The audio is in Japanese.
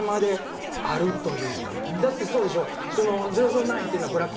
だってそうでしょ。